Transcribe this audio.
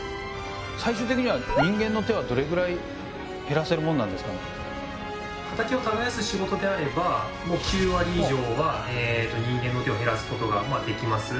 最終的には畑を耕す仕事であればもう９割以上は人間の手を減らすことができます。